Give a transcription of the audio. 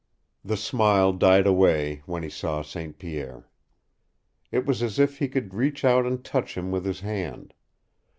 The smile died away when he saw St. Pierre. It was as if he could reach out and touch him with his hand.